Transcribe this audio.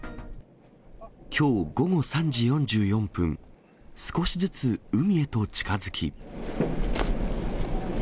きょう午後３時４４分、少しずつ海へと近づき。